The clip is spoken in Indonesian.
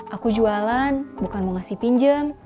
aku jualan bukan mau ngasih pinjam